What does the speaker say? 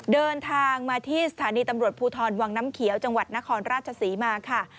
เดินทางมาที่สถานีตำรวจภูทรวังน้ำเขียวจังหวัดนครราชศรีมาค่ะ